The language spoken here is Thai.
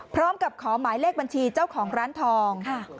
พร้อมกับขอหมายเลขบัญชีเจ้าของร้านทอง